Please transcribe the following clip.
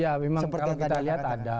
ya memang kalau kita lihat ada